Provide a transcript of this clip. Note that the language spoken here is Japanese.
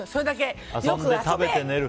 遊んで食べて寝る。